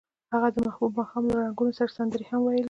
هغوی د محبوب ماښام له رنګونو سره سندرې هم ویلې.